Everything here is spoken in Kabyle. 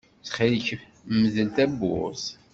Ttxil-k mdel tawwurt.